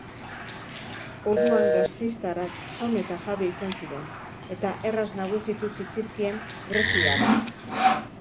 Orduan gasteiztarrak jaun eta jabe izan ziren eta erraz nagusitu zitzaizkien greziarrei.